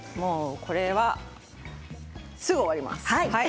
これはすぐ終わります。